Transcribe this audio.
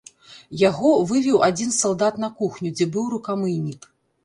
Яго вывеў адзін салдат на кухню, дзе быў рукамыйнік.